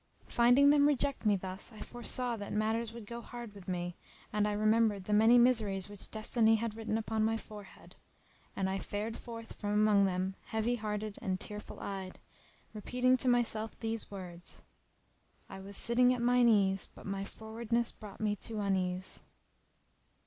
Finding them reject me thus I foresaw that matters would go hard with me, and I remembered the many miseries which Destiny had written upon my forehead; and I fared forth from among them heavy hearted and tearful eyed, repeating to myself these words, "I was sitting at mine ease but my frowardness brought me to unease."